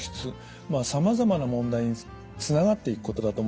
まあさまざま問題につながっていくことだと思います。